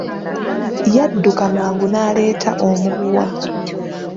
Yadduka mangu naleeta omuguwa.